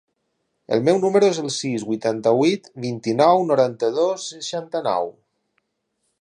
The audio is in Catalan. El meu número es el sis, vuitanta-vuit, vint-i-nou, noranta-dos, seixanta-nou.